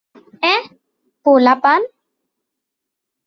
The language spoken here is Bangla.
আঃ, পোলাপান।